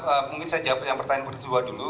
ya mungkin saya jawab yang pertanyaan kedua dulu